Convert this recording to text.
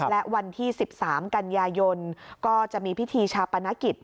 และวันที่๑๓กันยายนก็จะมีพิธีชาปนกิจ